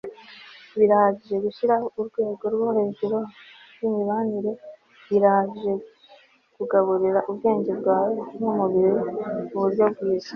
birahagije gushiraho urwego rwo hejuru rwimibanire. birahagije kugaburira ubwenge bwawe numubiri muburyo bwiza